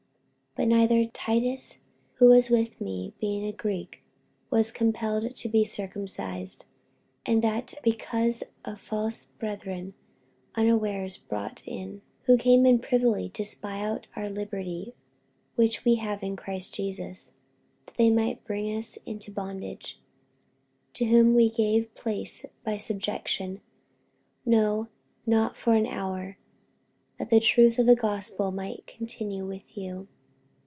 48:002:003 But neither Titus, who was with me, being a Greek, was compelled to be circumcised: 48:002:004 And that because of false brethren unawares brought in, who came in privily to spy out our liberty which we have in Christ Jesus, that they might bring us into bondage: 48:002:005 To whom we gave place by subjection, no, not for an hour; that the truth of the gospel might continue with you.